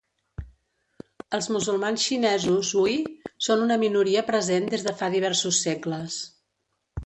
Els musulmans xinesos Hui són una minoria present des de fa diversos segles.